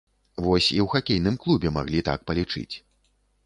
Вось і ў хакейным клубе маглі так палічыць.